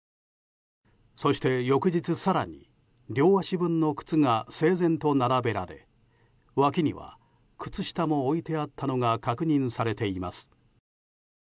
そして翌日、更に両足分の靴が整然と並べられ、脇には靴下も置いてあったのが確認されています。